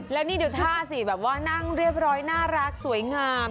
แล้วนี่ดูท่าสิแบบว่านั่งเรียบร้อยน่ารักสวยงาม